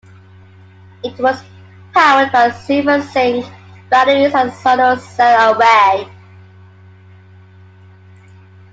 It was powered by silver-zinc batteries and a solar cell array.